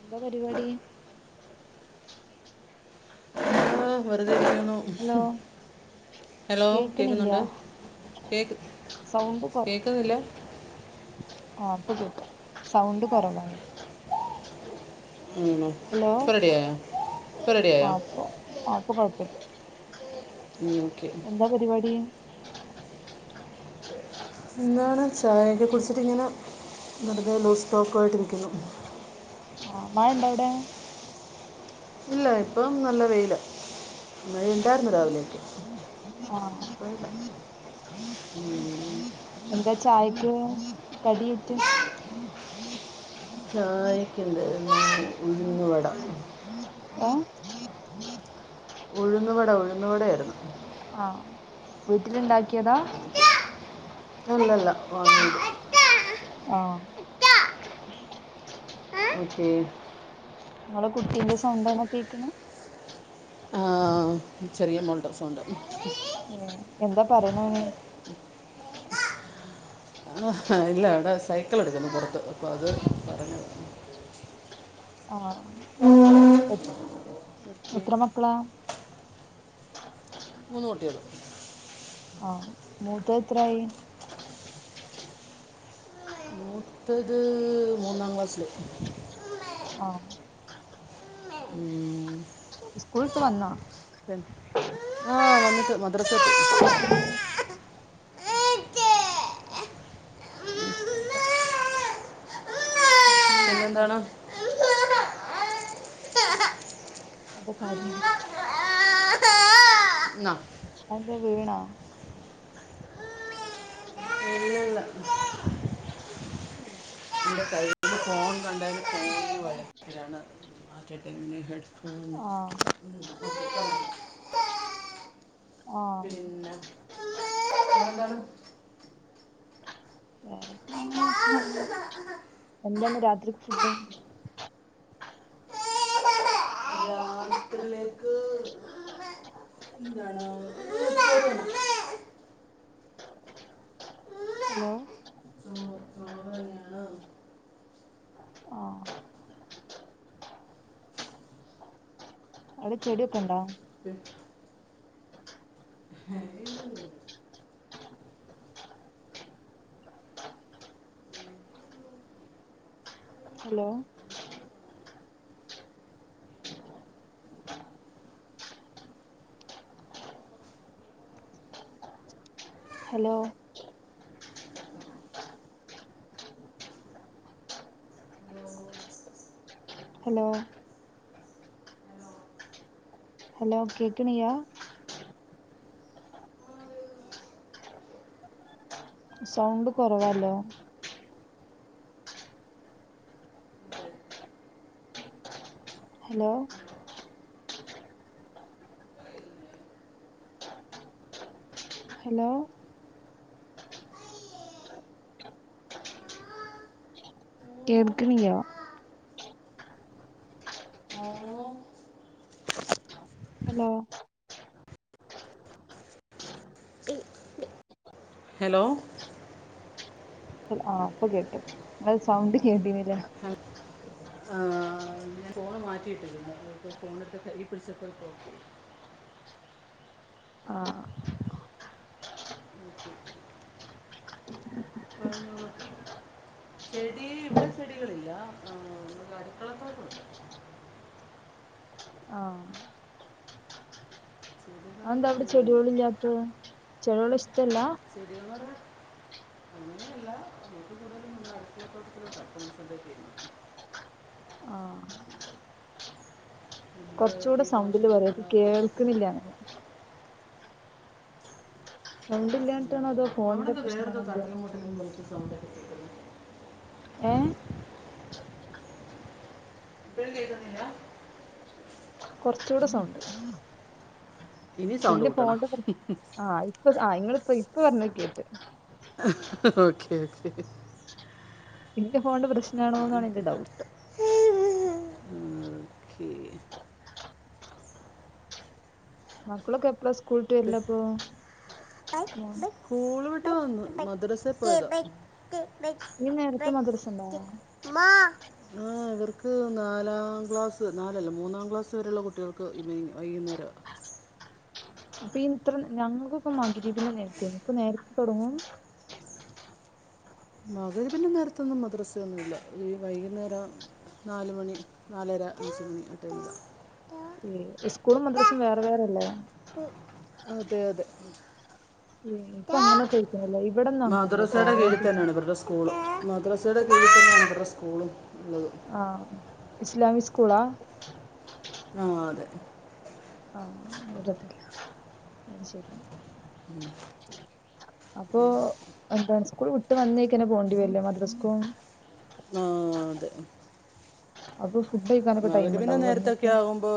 എന്താ പരിപാടി ആ വെറുതെ ഇരിക്കുന്നു ഹലോ ഹലോ കേക്കണില്ല കേക്കുന്നുണ്ട് കേക്ക് സൗണ്ട് കൊ കേക്കുന്നില്ല ഇപ്പോ കേക്കുണ്ട്സൗണ്ട് കുറവാണ് ആണോ ഹലോ ഇപ്പോൾ റെഡിയായോ ഇപ്പോൾ റെഡിയായോ ആപ്പ ഇപ്പൊ കുഴപ്പില്ല ഓക്കെ എന്താ പരിപാടി എന്താണ് ചായയൊക്കെ കുറിച്ചിട്ട് ഇങ്ങനെ നടന്നലോ സ്റ്റോക്ക ആയിട്ടിരിക്കുന്നു ആമഴ ഉണ്ടേഅവടെ ഇല്ല ഇപ്പം നല്ല വെയില അഴ ഉണ്ടായിരുന്നു രാവിലേക്ക് ആ അ എന്താ ചായക്ക് കടയിട്ട് ചായക്കിന്റെ ന ഉഴന്നുവടാം ഓ ഉഴുന്നുുകടെ ഉഴുന്നുകടെ ആായിരുന്നു ആഹ വീട്ടിലുണ്ടാക്കിയതാ ഇല്ലല്ല ആഹ ക്കേ നിങ്ങളെ കുട്ടീന്റെ സ്വന്തംണ കേക്കണ ആ ചെറിയ മോൾടെ സുണ്ട് ഏ എന്താ പറയ്ണ് ഓന് ഇല്ല അവിടെ സൈക്കിൾ എടുക്കുന്നു പുറത്ത് അപ്പൊ അത് പറഞ്ഞതാ ആ എ- ഓക്കെ എത്ര മക്കളാ മൂന്ന് കുട്ടികള് ആഹ് മൂത്തത് എത്രായി മൂത്തത് മൂന്നാം ക്ലാസിലേക്ക് ആഹ് സ്കൂൾട്ട് വന്നോ ആഹ് വന്നിട്ട് മദ്‌റസേ പോയ് അതാ അച്ഛനെ വിളിക്കാതെ പിന്നെന്താണ് എന്നാ അതാ കര്യ്ണ് എന്താ വീണോ ഇല്ല ഇല്ല എൻ്റെ കയ്യിൽ ഫോൺ മാറ്റട്ടെന്നെ ഹെഡ്ഫോണ് ആഹ് ആഹ് പിന്നെ എന്താണ് വേറെങ്ങനെ ഉണ്ട് എന്താന്ന് രാത്രിക്ക് ഫുഡ് രാത്രിയിലേക്ക് എന്താണ് ചോറാണ്. ഹലോ ചോ- ചോറ് തന്നെയാണ് ആഹ് അവിടെ ചെടിയൊക്കെ ഇണ്ടോ പിന്നെ ഹലോ ഹലോ ഹലോ ഹലോ കേക്ക്ണിയ്യാ സൗണ്ട് കുറവാലോ ഹലോ ഹലോ കേട്ക്ക്ണിയ്യാ ഓ ഹലോ ഹലോ ആഹ് ഇപ്പൊ കേട്ടു അത് സൗണ്ട് കേട്ടീ ന്നില ആ മാറ്റിയിട്ട് [unintelligible] ഫോണെട്ത്ത് കയ്യ് പിടിച്ചപ്പൊക്കോക്കേയി ആഹ് ഓക്കെ പറഞ്ഞോളൂ ചെടി ഇവിടെ ചെടികളില്ല ആ ഇവിടെ അടുക്കള ഭാഗത്തുണ്ട് ആഹ് [unintelligible] അതെന്താ അവിടെ അങ്ങനെയില്ല ചെട്യോള് ഇല്യാത്ത് ചെലോലെഷ് ചെടിയോളത് അങ്ങനെയല്ല എനിക്ക് കൂടുതലും നമ്മള് അടുക്കളത്തോട്ടത്തിലോട്ടാ കോൺസണ്ട്രേറ്റ് ചെയ്യുന്നെ ആഹ് നമ്മുടെ കുറച്ചൂടെ സൗണ്ടില് പറയോ ഇത് വീട്ടാവശ്യങ്ങൾക്കുള്ള പച്ചക്കറി കേൾക്കണില്ലങ്ങനെ സൗണ്ട് ഇല്ലാഞ്ഞിട്ടാണോ അതോ ഫോണിന്റെ പ്രശ്നമാണോ എന്തേ സൗണ്ടൊക്കെ കേക്ക്ന്ന്ണ്ട് ഏഹ് ഇപ്പഴും കേക്കുന്നില്ല കൊറച്ചൂടെ സൗണ്ട് ഇനി സൗണ്ട് പിന്നെ കൂട്ടണം ഫോണിന്റെ പ്ര ആ ഇപ്പ ആ ഇങ്ങള് ഇപ്പൊ പറഞ്ഞത് കേട്ട് ഓക്കെ ഓക്കെ ഇന്റെ ഫോണിന്റെ പ്രശ്നാണോ എന്നാണ് ഇന്റെ ഡൗട്ട് ഓക്കേ മക്കളൊക്കെ എപ്പളാ സ്കൂള് വിട്ട് വരലപ്പോ മദ്രസേ പോയത ഈ നേരത്ത് മദ്രസ ഉണ്ടോ ആ ഇവർക്ക് നാലാം ക്ലാസ്സ് നാലല്ല മൂന്നാം ക്ലാസ് വരെയുള്ള കുട്ടികൾക്ക് വൈകുന്നേരം ഉ അപ്പ ഇത്ര ഞങ്ങൾക്കൊക്കെ നേരത്തെ ഇപ്പൊ നേരത്തെ തുടങ്ങും മകന് പിന്നെ നേരത്തെ ഒന്നും മദ്രസയൊന്നു മില്ല ഈ വൈകുന്നേരം നാലുമണി നാലര അഞ്ച് മണി ആട്ടെ സമയം സ്കൂളും മദ്രസും വേറെ വേറെല്ലേ അതെ അതെ ഇപ്പൊ അങ്ങനൊക്ക ടാ മദ്രസയുടെ കീഴിൽ തന്നെയാണ് ഇവരുടെ സ്കൂള മദ്രസയുടെ കീഴിൽ തന്നെയാണ് ഇവരുടെ സ്കൂളും ഉള്ളത് ആഹ ഇസ്ലാമിക് സ്കൂളാ ആ അതെ ആഹ വെറതല്ല അത് ശരി അപ്പൊ അഡ്വാൻസ് സ്കൂൾ വന്നേക്കണ് പോകണ്ടി വരൂലേ മദ്രസ്കും ആ അതെ അതെ മകന് പിന്നെ നേരത്തെ ആകുമ്പോ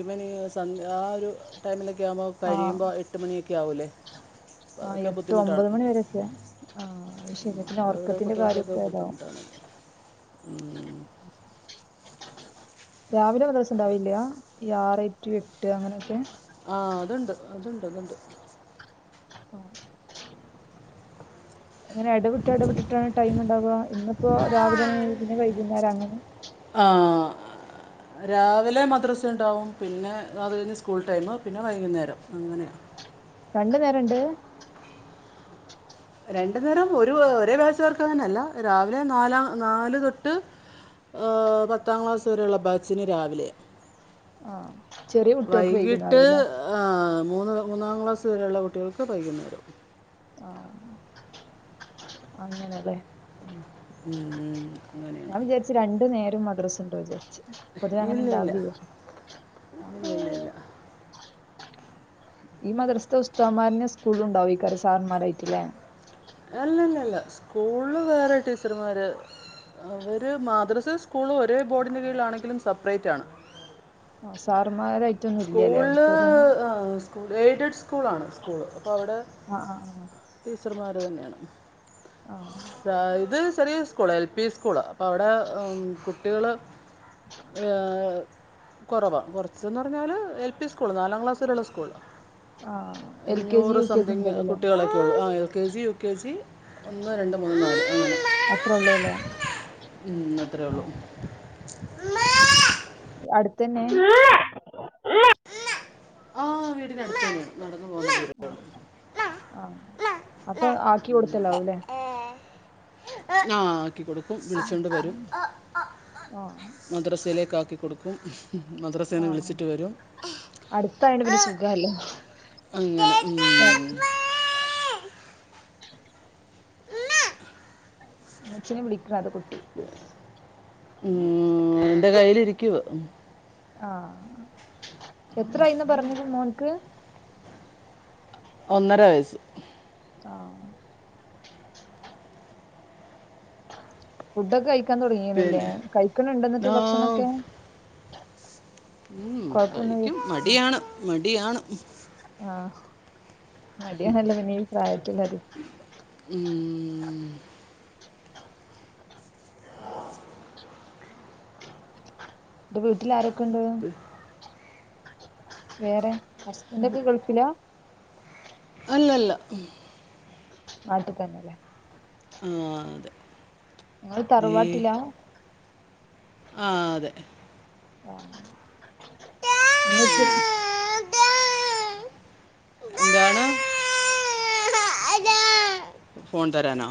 ഇവന് [unintelligible] ആ ഒരു ടൈമിലൊക്കെ ആകുമ്പോൾ ആഹ് കഴിയുമ്പോൾ എട്ട് മണിയൊക്കെ ആകല്ലേ ആഹ് അതൊക്കെ എട്ട് ബുദ്ധിമുട്ടാണ് ഒമ്പത് മണി വരെയൊക്കെ ആഹ് അത് ശരിയാ പിന്നെ അവരുടെ ഉറക്കത്തിന്റെ കുട്ടികൾക്കൊക്കെ കാര്യൊക്കെ ഇതാവും ബുദ്ധിമുട്ടാണ് ഉ രാവിലെ ഒരു ദിവസവും ഉണ്ടാകില്ല ഇ ആറ്എ ട്ട് അങ്ങനെയൊക്കെ ആഹ അതുണ്ട് അതുണ്ട് അതുണ്ട് ഇങ്ങനെ ഇടവിട്ട് ഇടവിട്ടിട്ടാണ് ടൈം ഉണ്ടാവുക ഇന്ന് ഇപ്പോൊ രാവിലെണെ പിന്നെ വൈകുന്നേരം അങ്ങനെ ആ രാവിലെ മദ്രസ ഉണ്ടാവും പിന്നെ അത് കഴിഞ്ഞ് സ്കൂൾ ടൈം പിന്നെ വൈകുന്നേരം അങ്ങനെയാണ് രണ്ടു നേരണ്ട് രണ്ടു നേരം ഒരു ഒരേ ക്ലാസ്സർക്ക് അങ്ങനെയല്ല രാവിലെ നാലാം നാലു തൊട്ട് പത്താം ക്ലാസ് വരെയുള്ള ബാച്ചിന് രാവിലെ ആഹ വൈകിട്ട് ആ മൂന്ന് മൂന്നാം ക്ലാസ് വരെയുള്ള കുട്ടികൾക്ക് വൈകുന്നേരം ആഹ അങ്ങനല്ലേ ഉം, അങ്ങനെയാണ് ഞാൻ വിചാരിച്ചു രണ്ടു നേരം മദ്രസ ഉണ്ട വിചാരിച്ചു പൊതുവെ അങ്ങനെ ഇല്ല ഇല്ല ഉണ്ടാവില്ല ഇല്ല ഇല്ല ഇല്ല ഈ മദർസ്ഥ ഉസ്തമാരന സ്കൂള ഉണ്ടാവ ഈക്കാര് സാറിന്മാരായിട്ടില്ലേ അല്ലല്ലല്ല സ്കൂള് വേറെ ടീച്ചർമാര് അവര് മാദ്രസ സ്കൂള് ഒരേ ബോർഡിന് കീഴിലാണെങ്കിലും സെപ്പറേറ്റ് ആണ് ആ സാറമാരായിട്ടൊന്നും ഇല്ലല്ലേ സ്കൂളിൽ അവിടേത്തര്തന്നെ സ്കൂൾ എയ്ഡ്സ് സ്കൂളാണ് സ്കൂള് അപ്പോൾ അവിടെ ആഹ് ആഹ് ആഹ് ടീച്ചർമാർ തന്നെയാണ് ആഹ് ഇത് ചെറിയ സ്കൂള് എൽ പി സ്കൂള് അപ്പൊ അവിടെ കുട്ടികള് ഏഹ കുറവാ കൊറച്ച പറഞ്ഞാല് എൽ പി സ്കൂള് നാലാം ക്ലാസ്സിലുള്ള സ്കൂള് ആ എൽ കെ ജി അഞ്ഞൂറ് യു കെ ജി സംതിങ് മുതലല്ലേ കുട്ടികളൊക്കെ ഉള്ളൂ ആ L K G U K G ഒന്ന് രണ്ട മൂന്ന് നാല് അത്രേ ഉള്ളൂ അല്ലേ അത്രേ ആ ഉള്ളു അമ്മേ അടുത്തന്നെ അമ്മേ അമ്മേ ആ വീട് നടുത്ത് അമ്മേ ആഹ് ആഹ് അപ്പോ ആക്കി കൊടുത്തലാവല്ലേ ആഹ് ആക്കി കൊടുക്കും വിളിച്ചോണ്ട് വരും ആ മദ്രസലേക്ക് ആക്കി കൊടുക്കും മദ്രസെന്ന് വിളിച്ചി അടുത്തായണ്ട് പിന്നെ സുഖല്ലേ അങ്ങനെ ഉം [unintelligible] ഉം എന്റെ കയ്യിലിരിക്കുവാ ആഹ് എത്രായിന്നാ പറഞ്ഞത് മോൻക്ക് ഒന്നര വയസ്സ് ആഹ് ഫുഡൊക്കെ കഴിക്കാൻ തൊടങ്ങിയണില്ലേ പിന്നെ കഴിക്കണ ഇണ്ടെന്നിട്ട് ആ, ഭക്ഷണോക്കെ ഉം കഴിക്കും മടിയാണ് മടിയാണ് ആഹ് മടിയാണല്ല പിന്നെ ഈ പ്രായത്തില്ലത് ഉം. ഇന്റെ വീട്ടിൽ ആരൊക്കെ ഇണ്ട് വേറെ ഹസ്ബന്റ് ഒക്കെ ഗൾഫിലാ അല്ലല്ല ഉം നാട്ടി തന്നേ ലെ ആഹ് അതെ ഇങ്ങൾ തറവാട്ടില ആഹ് അതെ ആഹ് ഇന്ന് [inaudible] എന്താണ് ഫോൺ തരാനോ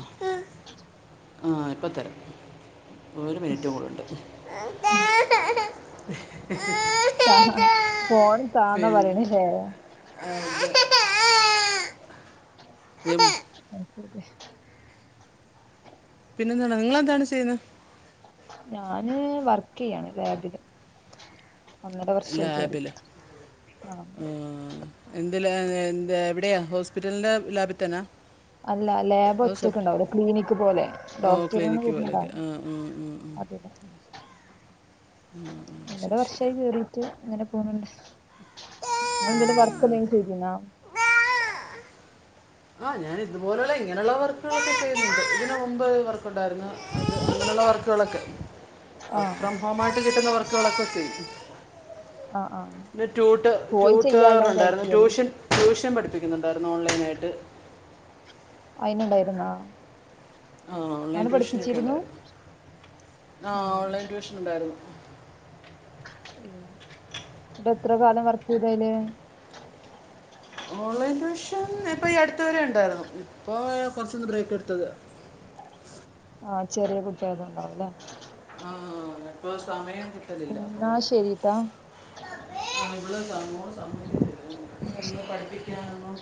ആഹ് ഇപ്പ തര ഒരു മിനിറ്റ് കൂടെണ്ട് ത ഫോണ് താന്നാ പറിണ് ലേ ആഹ് അഹ് അഹ് ശെരി പിന്നെന്താണ് നിങ്ങെളെന്താണ് ചെയ്യുന്നെ ഞാന് വർക്കെയ്യാണ് ലാബില് ഒന്നര വർഷായി ലാബിൽ ക്കേറീട്ട് ആഹ് തില് എവിടെയാ ഹോസ്പിറ്റലിന്റെ ലാബിത്തന്നാ അല്ല ലാബ് ഒറ്റക്കെ ഇണ്ടാവൂലെ ക്ലിനിക്ക് പോലെ ഓ ഡോക്ടറി ക്ലിനിക്ക് പോലെയൊക്കെ ആ ഉം, ഉം, [unintelligible] ഉം. അതെല്ലം ഉം, ഉം. ഒമ്പത് ശരി ശരി വർഷായി കേറീട്ട്ട്ട് അങ്ങനെ പോണ് ഇണ്ട് ഇങ്ങള് എന്തേലും വർക്കെന്തേലും ചെയ്തീന്നൊ ആഹ് ഞാൻ ഇതുപോലെ ഇള്ള ഇങ്ങനെയുള്ള വർക്കുകളൊക്കെ ചെയ്യുന്നുണ്ട് ഇതി ന് മുമ്പ് വർക്ക ഉണ്ടായിരുന്നു വർക്ക് ആഹ് ഫ്രം ഹോമാ. യിട്ട് കിട്ടുന്ന വർക്കൊക്കെ ചെയ്യ ആഹ് ആഹ് ഇന്ന് റ്റൂട്ട് പോയി ചെയ്യാനുള്ള റ്റുട്ടേര് ഉണ്ടായിരുന്നു ഒരൈറ്റിയല്ലേ ട്യൂഷൻ ട്യൂഷ [unintelligible] പഠിപ്പിക്കുന്നുണ്ടായിരുന്നു ഓൺ ലൈനായിട്ട് [unintelligible] ഇണ്ടായിരുന്നോ ആഹ് ഓൺലൈൻ ട്യൂഷനെക്കെ ഇണ്ടായിരുന്നു ആഹ് ഓൺലൈൻ ട്യൂഷൻ ഉണ്ടായിരുന്നു മ്ഹ് ഇതേത്ര കാലം വർക്ക് ചെയ്ത് അതില് ഓൺലൈൻ ട്യൂഷൻ ഇപ്പ ഈ അടുത്ത് വരെ ഉണ്ടായിരുന്നു ഇപ്പൊ കൊറച്ചു ഒന്നു ബ്രേക്ക്‌ എടുത്തത് ആഹ് ചെറിയ കുട്ട്യക്ക് ഉണ്ടാവും ഇല്ലേ ആഹ് ഇപ്പം സമയം കിട്ടലില്ല അപ്പൊ എന്നാ ശരിട്ടാ. മോള് സമ്മോ സമ്മയ്ക്കത്തില്ല എന്നാ ശരി. ഒന്നും പഠിപ്പിക്കാനൊന്നും